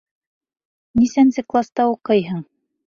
— Нисәнсе класта уҡыйһың?